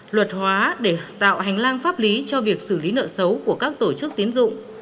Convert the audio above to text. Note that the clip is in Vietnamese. luật hóa để tạo hành lang pháp lý cho việc xử lý nợ xấu của các tổ chức tiến dụng